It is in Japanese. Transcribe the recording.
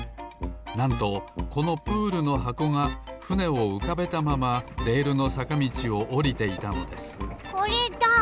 なんとこのプールのはこがふねをうかべたままレールのさかみちをおりていたのですこれだ！